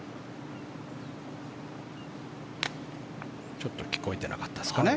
ちょっと聞こえてなかったですかね。